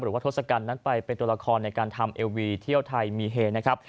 ทศกัณฐ์นั้นไปเป็นตัวละครในการทำเอวีเที่ยวไทยมีเฮนะครับ